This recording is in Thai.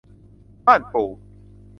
บ้านปู